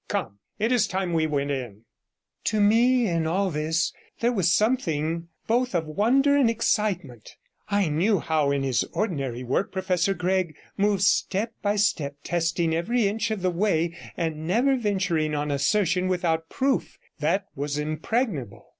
Come, it is time we went in.' To me in all this there was something both of wonder and excitement; I knew how in his ordinary work Professor Gregg moved step by step, testing every inch of the way, and never venturing on assertion without proof that was impregnable.